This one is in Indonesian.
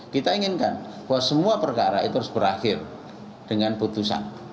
kita inginkan bahwa semua perkara itu harus berakhir dengan putusan